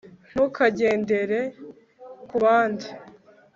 ntukagendere kubandi